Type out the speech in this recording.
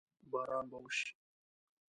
باران به وشي؟